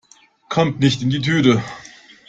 Kommt nicht in die Tüte!